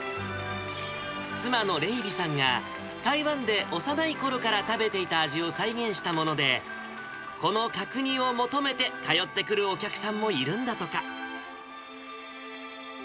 妻の麗美さんが、台湾で幼いころから食べていた味を再現したもので、この角煮を求めて通ってくるお客さんもいるんだとか。